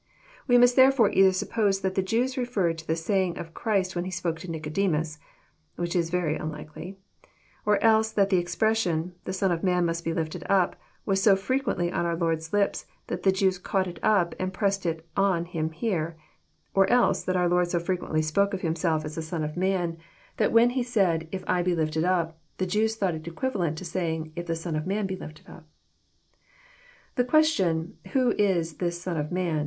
We must there fore either suppose that the Jews referred to the saying of Christ when He spoke to Nicodemus, (which is very unlikely ;) or else that the expression, The Son of man must be lifted up," was so frequently on our Lord's lips, that the Jews caught It up and pressed It on Him here ;— or else that our Lord so fre quently spoke of Himself as the Son of man, that when He said, "If I be lifted up," the Jews thought it equivalent to say ing, " If the Son of man be lifted up." The question "Who is this Son of man?